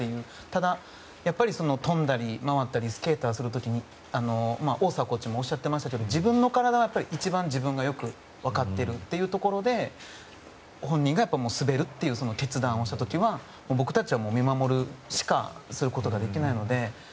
ただ、跳んだり回ったりスケートする時にオーサーコーチもおっしゃってましたけど自分の体が一番よく分かってるというところで本人が滑るっていう決断をした時は僕たちは見守るしかできないので。